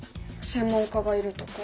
専門家がいるとか？